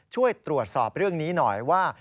ช่วยตรวจสอบเรื่องนี้หน่อยว่า